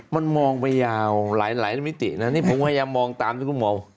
มันมองไปยาวหลายมิตินะนี่ผมพยายามมองตามที่คุณมอง